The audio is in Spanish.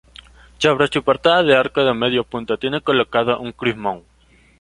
Sobre su portada de arco de medio punto tiene colocado un crismón.